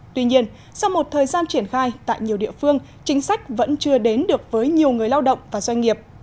tuy nhiên sau một thời gian triển khai tại nhiều địa phương chính sách vẫn chưa đến được với nhiều người lao động và doanh nghiệp